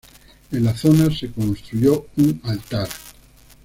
En la zona se construyó un altar.